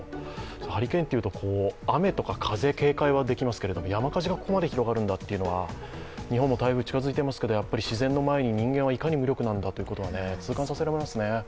ハリケーンというと、雨とか風に警戒はできますけど、山火事がここまで広がるんだというのは日本も台風近づいていますけれども、自然の力の前に人間はいかに無力なんだということは痛感させられますね。